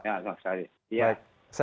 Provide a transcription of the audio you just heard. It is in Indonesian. ya selamat sore